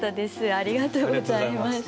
ありがとうございます。